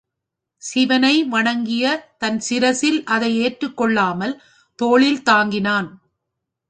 சிவனை வணங்கிய தன் சிரசில் அதை ஏற்றுக் கொள்ளாமல் தோளில் தாங்கினான்.